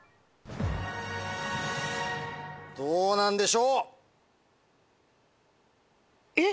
どうなんでしょう？え？